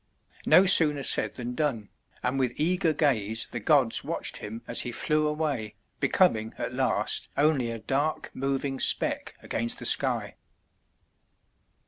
No sooner said than done; and with eager gaze the gods watched him as he flew away, becoming at last only a dark moving speck against the sky.